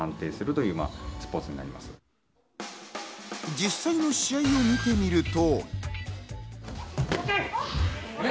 実際の試合を見てみると。